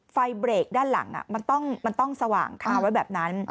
ไฟเบรกด้านหลังมันต้องสว่างคาไว้แบบนั้น